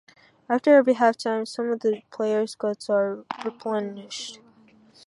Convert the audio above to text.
After every half-time, some of the player's guts are replenished.